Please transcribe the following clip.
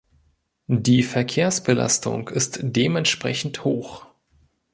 Die Verkehrsbelastung ist dementsprechend hoch.